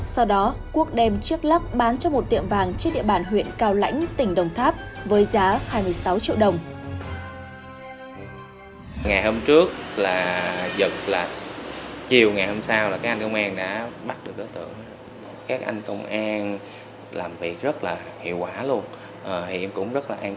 sau đó quốc đem chiếc lắc bán cho một tiệm vàng trên địa bàn huyện cao lãnh tỉnh đồng tháp với giá hai mươi sáu triệu đồng